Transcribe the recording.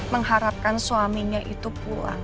mengharapkan suaminya itu pulang